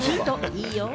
いいよ。